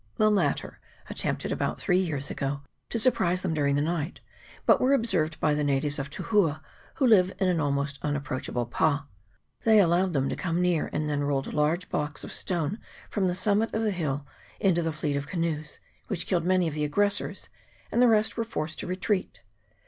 The latter at tempted, about three years ago, to surprise them during the night, but were observed by the natives of Tuhua, who live in an almost unapproachable pa. They allowed them to come near, and then rolled large blocks of stone from the summit of the CHAP. XXVII.] NATIVE CHRISTIANS. 407 hill into the fleet of canoes, which killed many of the aggressors, and the rest were forced to retreat.